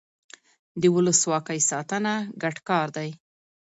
د ولسواکۍ ساتنه ګډ کار دی